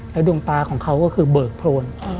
ดวงตาของเขาก็คือเบิกโพน